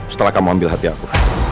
setelah kamu ambil hati aku